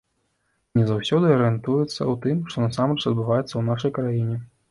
Не заўсёды арыентуецца ў тым, што насамрэч адбываецца ў нашай краіне.